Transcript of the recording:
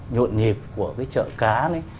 nhộn nhịp của cái chợ cá đấy